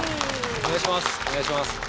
お願いします。